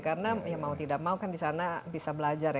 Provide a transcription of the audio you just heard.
karena ya mau tidak mau kan di sana bisa belajar ya